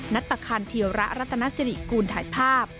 นัดประคานเทียวระรัฐนาศิริกูลถ่ายภาพ